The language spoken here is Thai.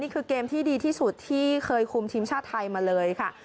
เกมที่ดีที่สุดที่เคยคุมทีมชาติไทยมาเลยค่ะ